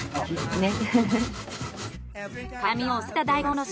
ねっ。